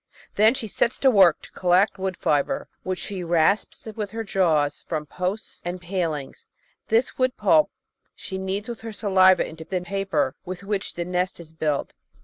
Then she sets to work to collect wood fibre, which she rasps with her jaws from posts and palings. This wood pulp she kneads with her saliva into the "paper" with which the nest is built.